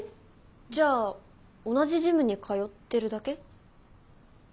じゃあ同じジムに通ってるだけ？